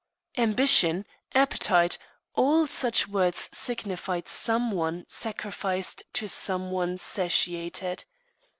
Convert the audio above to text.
Ambition, appetite all such words signify some one sacrificed to some one satiated.